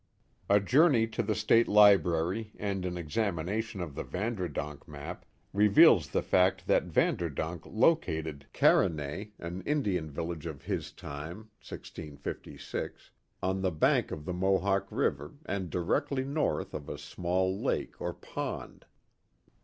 A journey to the State Library, and an examination of the Journal of Arent Van Curler 29 Vanderdonk map, reveals the fact that Vanderdonk located Carenay, an Indian village of his time (1656) on the bank of the Mohawk River, and directly north of a small lake or pond.